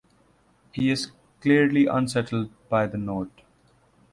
He is clearly unsettled by the note.